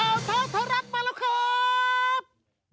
นี้ฝันข่าวเท้าทะลักษณ์มาแล้วครับ